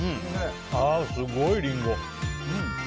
すごいリンゴ！